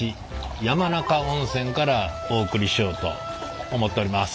山中温泉からお送りしようと思っております。